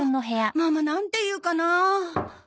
ママなんて言うかな？